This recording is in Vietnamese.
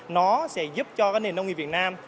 nó sẽ giúp cho nền nông nghiệp việt nam